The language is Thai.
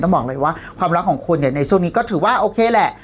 บอกเลยว่าความรักของคุณเนี่ยในช่วงนี้ก็ถือว่าโอเคแหละ